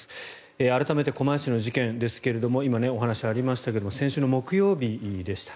改めて狛江市の事件ですが今お話がありましたが先週の木曜日でした。